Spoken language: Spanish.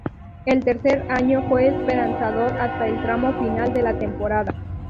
El tercer año fue esperanzador hasta el tramo final de la temporada.